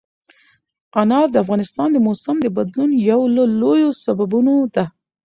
انار د افغانستان د موسم د بدلون یو له لویو سببونو ده.